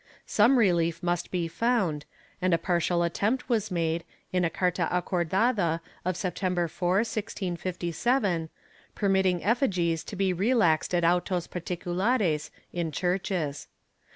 Some relief must be found, and a partial attempt was made, in a carta acordada of September 4, 1657, permitting effigies to be relaxed at autos particulares in churches.